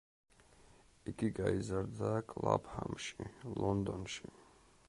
იგი გაიზარდა კლაფჰამში, ლონდონში.